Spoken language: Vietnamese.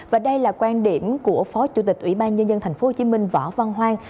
và đây là quan điểm của phó chủ tịch ủy ban nhân dân tp hcm võ văn hoang